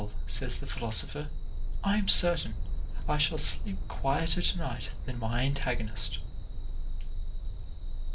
says the philosopher, I am certain, I shall sleep quieter to night than my antagonist.